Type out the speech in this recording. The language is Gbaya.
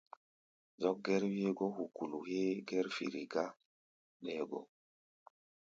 Zɔ́k gɛ́r-wí hégɔ́ hukulu héé gɛ́r firi gá ɓɛɛ gɔ.